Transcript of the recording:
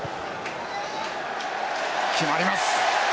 決まります。